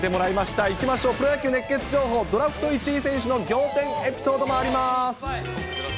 いきましょう、プロ野球熱ケツ情報、ドラフト１位選手の仰天エピソードもあります。